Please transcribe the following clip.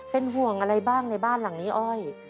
เป็นห่วงอะไรบ้างในบ้านหลังนี้อ้อย